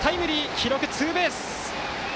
記録、ツーベース！